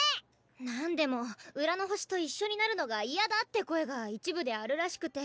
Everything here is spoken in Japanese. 何でも浦の星と一緒になるのが嫌だって声が一部であるらしくて。